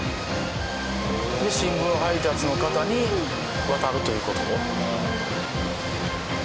で新聞配達の方に渡るという事。